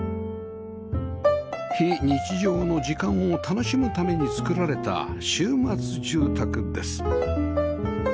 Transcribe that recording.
非日常の時間を楽しむために造られた週末住宅です